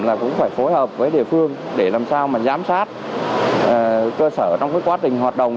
là cũng phải phối hợp với địa phương để làm sao mà giám sát cơ sở trong quá trình hoạt động